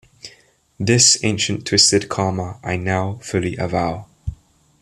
This ancient twisted karma I now fully avow.